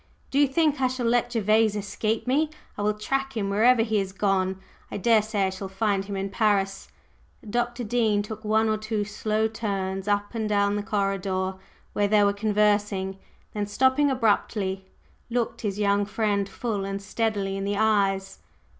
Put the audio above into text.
"Do you think I shall let Gervase escape me? I will track him wherever he has gone, I daresay I shall find him in Paris." Dr. Dean took one or two slow turns up and down the corridor where they were conversing, then stopping abruptly, looked his young friend full and steadily in the eyes.